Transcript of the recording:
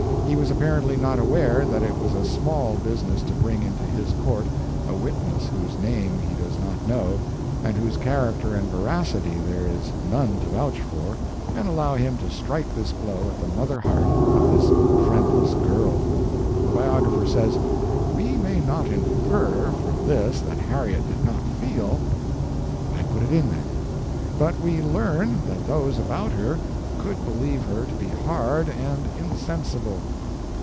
He was apparently not aware that it was a small business to bring into his court a witness whose name he does not know, and whose character and veracity there is none to vouch for, and allow him to strike this blow at the mother heart of this friendless girl. The biographer says, "We may not infer from this that Harriet did not feel" why put it in, then? "but we learn that those about her could believe her to be hard and insensible."